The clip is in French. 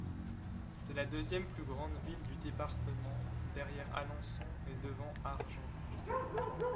C'est la deuxième plus grande ville du département derrière Alençon et devant Argentan.